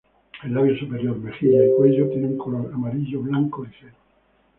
El labio superior, mejillas y cuello tiene un color amarillo-blanco ligero.